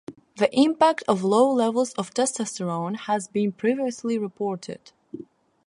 The impact of low levels of testosterone has been previously reported.